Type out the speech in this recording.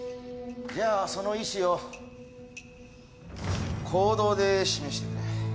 じゃあその意思を行動で示してくれ。